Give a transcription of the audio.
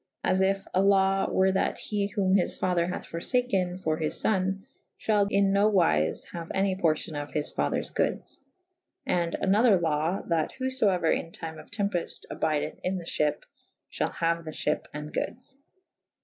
As yf a law were that he whow his father hath forfaken for his fo«ne / fhall in no wyfe haue any porcion of his fathers goodes. And an other lawe / that who fo euer in tyme of tempeft abydeth in the fhyp : fhall haue the fhyp and goodes.